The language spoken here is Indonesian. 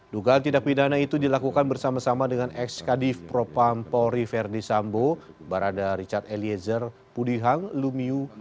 dugaan tindak pidana itu dilakukan bersama sama dengan ekskadif propampori verdi sambo barada richard eliezer pudi hang lumiu